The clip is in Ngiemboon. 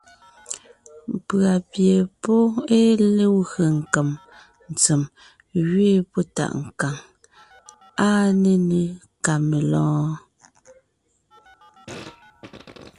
Pʉ̀a pie pɔ́ ée legwé nkem nkem tsem ngẅeen pɔ́ tàʼ nkàŋ. Áa nénʉ ka melɔ̀ɔn?